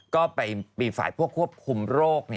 ก็ไปมีฝ่ายพวกควบคุมโรค